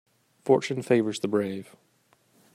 Fortune favours the brave.